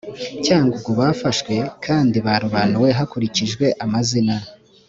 cyangugu bafashwe kandi barobanuwe hakurikijwe amazina